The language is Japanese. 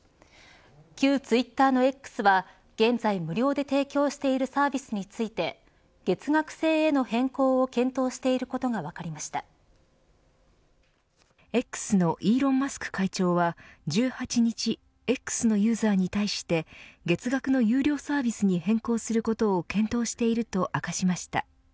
旧ツイッターのＸは、現在無料で提供しているサービスについて月額制への変更を検討していることがＸのイーロン・マスク会長は１８日Ｘのユーザーに対して月額の有料サービスに変更することを検討していると明かしました。